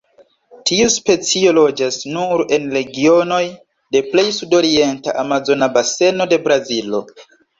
Tiu specio loĝas nur en regionoj de plej sudorienta Amazona Baseno de Brazilo.